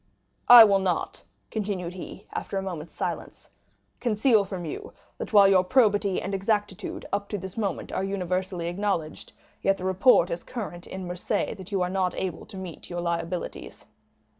"I will not," continued he, after a moment's silence, "conceal from you, that while your probity and exactitude up to this moment are universally acknowledged, yet the report is current in Marseilles that you are not able to meet your liabilities."